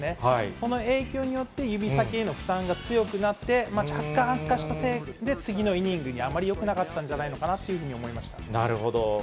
その影響によって、指先への負担が強くなって、若干悪化したせいで、次のイニングにあまりよくなかったんじゃななるほど。